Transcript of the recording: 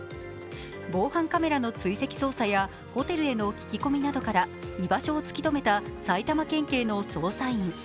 防犯カメラの追跡捜査やホテルへの聞き込みなどから居場所を突き止めた埼玉県警の捜査員。